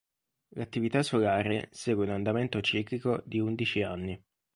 L'attività solare segue un andamento ciclico di undici anni.